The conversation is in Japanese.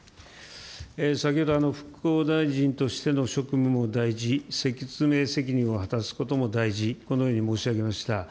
先ほど復興大臣としての職務も大事、説明責任を果たすことも大事、このように申し上げました。